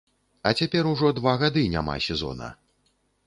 А цяпер ужо два гады няма сезона.